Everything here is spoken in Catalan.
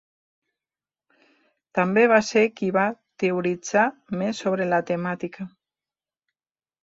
També va ser qui va teoritzar més sobre la temàtica.